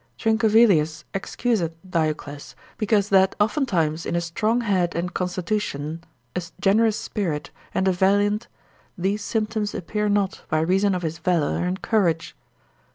Trincavelius excuseth Diocles, lib. 3. consil. 35. because that oftentimes in a strong head and constitution, a generous spirit, and a valiant, these symptoms appear not, by reason of his valour and courage.